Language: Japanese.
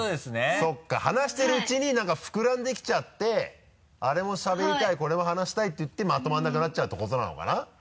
そうか話してるうちになんか膨らんできちゃってあれもしゃべりたいこれも話したいっていってまとまらなくなっちゃうってことなのかな？